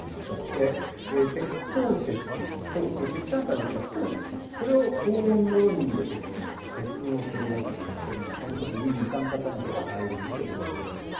これ、鉄鉱石と石炭から出来たコークス、これを高温の炉に入れて、鉄を取り出すんですけれども、このときに二酸化炭素が大量に出てしまいます。